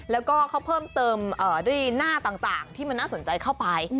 แล้วก็เขาเพิ่มเติมด้วยหน้าต่างที่มันน่าสนใจเข้าไป